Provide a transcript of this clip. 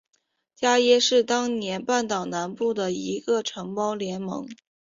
伽倻是当时半岛南部的一个城邦联盟。